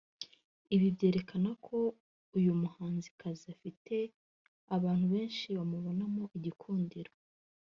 Ibi byerekana ko uyu muhanzikazi afite abantu benshi bamubonamo igikundiro